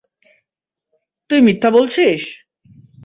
তুই মিথ্যা বলছিস?